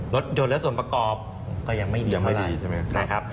รถโดนและส่วนประกอบก็ยังไม่ดีเท่าไหร่